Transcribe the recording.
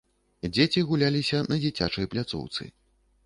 Дзеці гуляліся на дзіцячай пляцоўцы.